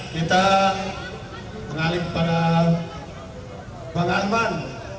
kita mengalir para bang alman